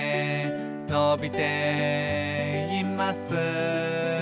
「のびています」